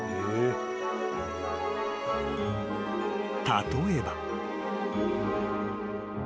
［例えば］